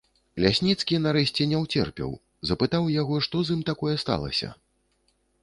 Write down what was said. Лясніцкі, нарэшце, не ўцерпеў, запытаў яго, што з ім такое сталася.